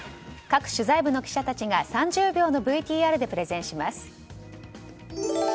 各取材部の記者たちが３０秒のＶＴＲでプレゼンします。